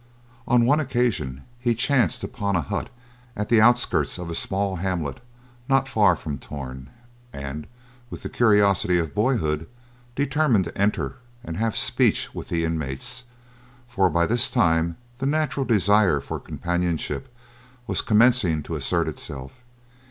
On one occasion, he chanced upon a hut at the outskirts of a small hamlet not far from Torn and, with the curiosity of boyhood, determined to enter and have speech with the inmates, for by this time the natural desire for companionship was commencing to assert itself.